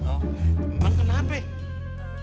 oh emang kenapa ya